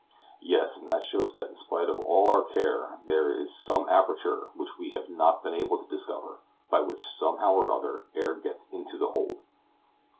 "Yes; and that shows that in spite of all our care there is some aperture which we have not been able to discover, by which, somehow or other, air gets into the hold."